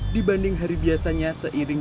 dibanding hari biasanya seiring